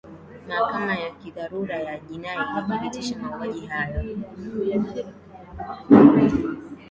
mahakama ya kidharura ya jinai ilithibitisha mauaji hayo